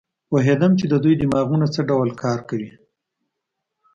پوهېدم چې د دوی دماغونه څه ډول کار کوي.